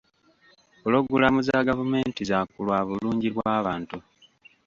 Pulogulaamu za gavumenti za ku lwabulungi bw'abantu.